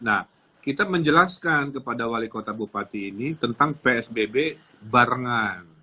nah kita menjelaskan kepada wali kota bupati ini tentang psbb barengan